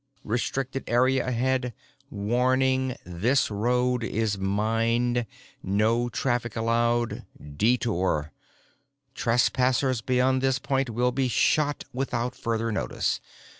RESTRICTED AREA AHEAD WARNING: THIS ROAD IS MINED NO TRAFFIC ALLOWED! DETOUR "Trespassers beyond this point will be shot without further notice."